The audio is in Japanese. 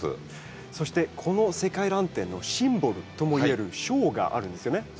そしてこの「世界らん展」のシンボルともいえる賞があるんですよね？